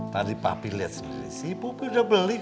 tadi pak pi'i lihat sendiri si pupi udah beli kok